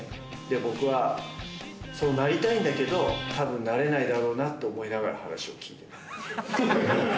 僕はそうなりたいんだけれども、たぶんなれないだろうなって思いながら話を聞いてました。